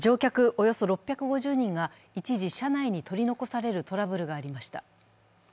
およそ６５０人が一時車内に取り残されるトラブルがありました